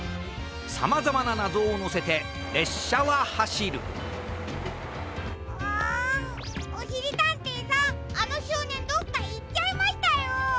さまざまななぞをのせてれっしゃははしるあおしりたんていさんあのしょうねんどっかいっちゃいましたよ。